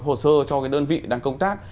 hồ sơ cho đơn vị đang công tác